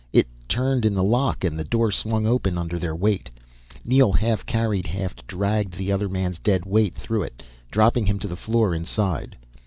It turned in the lock and the door swung open under their weight. Neel half carried, half dragged the other man's dead weight through it, dropping him to the floor inside.